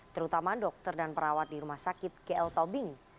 terutama dokter dan perawat di rumah sakit gl tobing